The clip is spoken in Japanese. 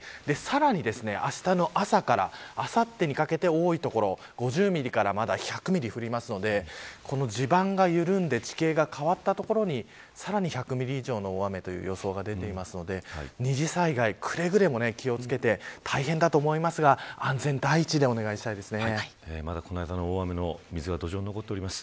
さらにあしたの朝からあさってにかけて多い所５０ミリから１００ミリ降るので地盤が緩んで地形が変わった所にさらに１００ミリ以上の大雨と予想が出ているので二次災害くれぐれも気を付けて大変だと思いますがまだこの間の大雨の水が土壌に残っております。